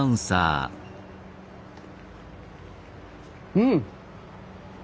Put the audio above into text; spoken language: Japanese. うん。